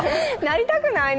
なりたくない？